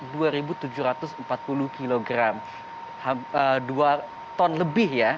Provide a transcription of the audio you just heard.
dan ini mencapai satu ton lebih ya